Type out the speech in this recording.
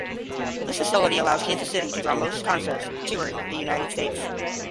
This facility allows Kansas City to draw most concerts touring the United States.